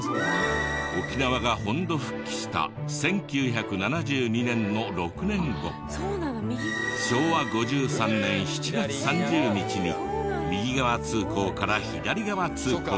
沖縄が本土復帰した１９７２年の６年後昭和５３年７月３０日に右側通行から左側通行に。